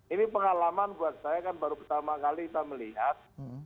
ini pengalaman buat saya kan baru pertama kali kita melihat